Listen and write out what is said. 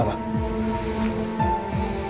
kalau dengan memukul kamu